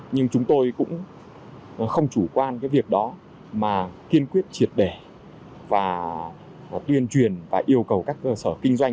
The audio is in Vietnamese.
nhưng chúng tôi cũng không chủ quan cái việc đó mà kiên quyết triệt đẻ và tuyên truyền và yêu cầu các cơ sở kinh doanh